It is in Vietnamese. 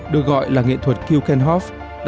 được gọi là nghệ thuật kukenhof